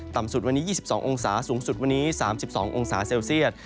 สุดวันนี้๒๒องศาสูงสุดวันนี้๓๒องศาเซลเซียต